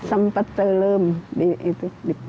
sempat telum di itu di